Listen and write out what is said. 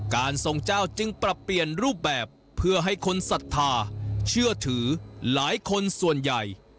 การทรงเจ้าจึงปรับเปลี่ยนรูปแบบเพื่อให้คนศรัทธาเชื่อถือหลายคนส่วนใหญ่